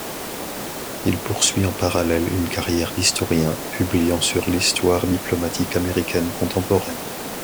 Il poursuit en parallèle une carrière d'historien, publiant sur l'histoire diplomatique américaine contemporaine.